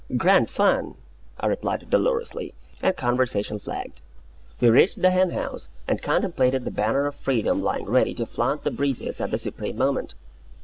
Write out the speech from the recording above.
"Grand fun!" I replied, dolorously; and conversation flagged. We reached the hen house, and contemplated the banner of freedom lying ready to flaunt the breezes at the supreme moment.